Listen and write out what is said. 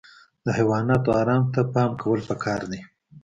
د حیواناتو ارام ته پام کول پکار دي.